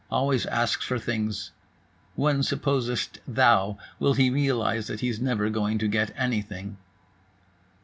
Always asks for things. When supposest thou will he realize that he's never going to get anything?"